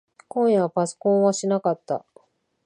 今夜はパソコンはしなかった。